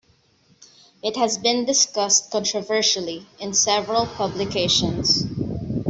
It has been discussed controversially in several publications.